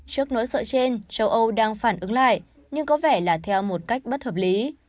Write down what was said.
trước nỗi sợ trên châu âu đang phản ứng lại nhưng có vẻ là theo một cách bất hợp lý